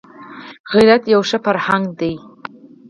غیرت یو ژوندی فرهنګ دی